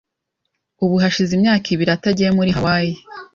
Ubu hashize imyaka ibiri atagiye muri Hawaii.